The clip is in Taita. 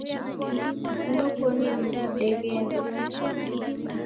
Ndokonyi deghende.